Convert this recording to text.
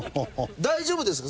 大丈夫ですか？